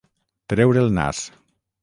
Treure el nas.